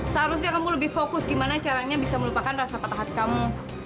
seharusnya kamu lebih fokus gimana caranya bisa melupakan rasa patah hati kamu